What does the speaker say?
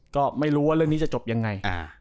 ก็ไม่รู้ว่าเรื่องนี้จะจบยังไง